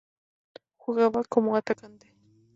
Jugaba como atacante.